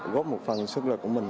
góp một phần sức lực của mình